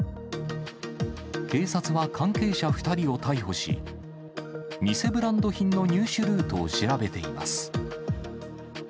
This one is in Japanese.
警察は関係者２人を逮捕し、偽ブランド品の入手ルートを調べています。